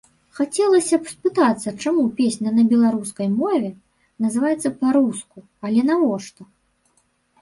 Хацелася б спытацца чаму песня на беларускай мове называецца па-руску, але навошта!